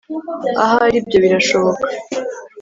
ahari ibyo birashoboka